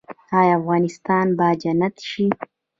آیا افغانستان به جنت شي؟